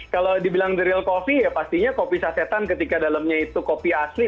kalau dibilang the real coffee ya pastinya kopi sasetan ketika dalamnya itu kopi asli